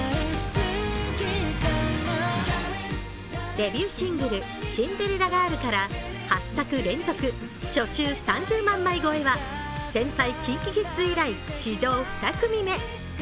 デビューシングル「シンデレラガール」から８作連続初週３０万枚超えは先輩・ＫｉｎＫｉＫｉｄｓ以来、史上２組目。